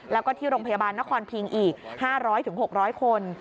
แล้วก็ที่โรงพยาบาลนครพิงอีก๕๐๐๖๐๐คน